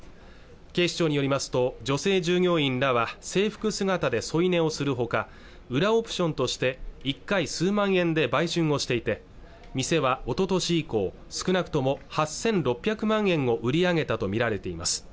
警視庁によりますと女性従業員らは制服姿で添い寝をするほか裏オプションとして１回数万円で売春をしていて店はおととし以降少なくとも８６００万円を売り上げたとみられています